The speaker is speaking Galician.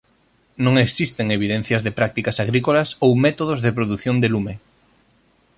Non existen evidencias de prácticas agrícolas ou métodos de produción de lume.